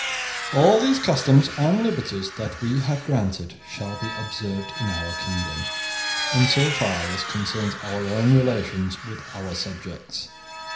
* All these customs and liberties that we have granted shall be observed in our kingdom in so far as concerns our own relations with our subjects.